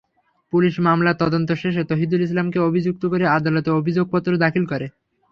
Police মামলার তদন্ত শেষে তৌহিদুল ইসলামকে অভিযুক্ত করে আদালতে অভিযোগপত্র দাখিল করে।